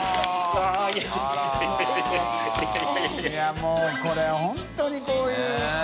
もうこれ本当にこういう。ねぇ。